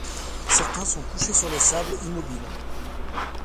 Certains sont couchés sur le sable, immobiles.